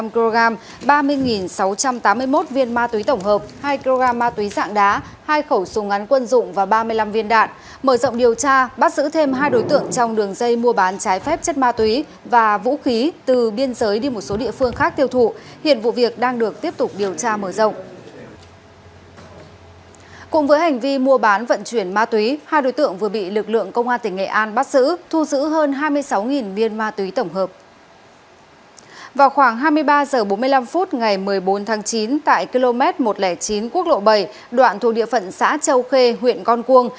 khoảng hai mươi ba h bốn mươi năm phút ngày một mươi bốn tháng chín tại km một trăm linh chín quốc lộ bảy đoạn thu địa phận xã châu khê huyện con cuông